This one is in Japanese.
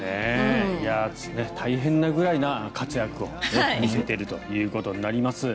大変なぐらいな活躍を見せているということになります。